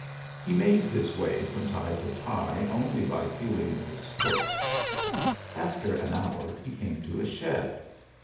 He made his way from tie to tie only by feeling with his foot. After an hour he came to a shed.